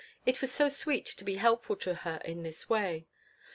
It was so sweet to be helpful to her in this way.